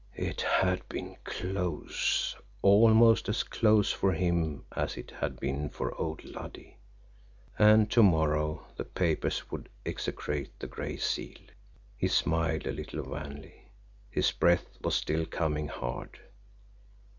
It had been close almost as close for him as it had been for old Luddy. And to morrow the papers would execrate the Gray Seal! He smiled a little wanly. His breath was still coming hard.